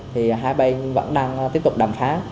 thì hai bên vẫn đang tiếp tục đàm phá